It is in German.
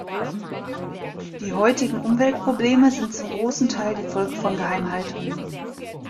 Die heutigen Umweltprobleme sind zum großen Teil die Folge von Geheimhaltungen.